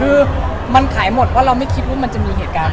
คือมันขายหมดเพราะเราไม่คิดว่ามันจะมีเหตุการณ์